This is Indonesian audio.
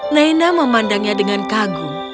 naina memandangnya dengan kagum